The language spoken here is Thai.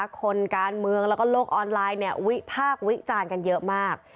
คนการเมืองแล้วก็โลกออนไลน์วิพากษ์วิจารณ์กันเยอะมาก